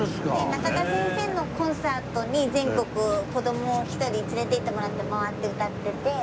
中田先生のコンサートに全国子ども１人連れて行ってもらって回って歌ってて。